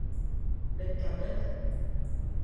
Bet tagad...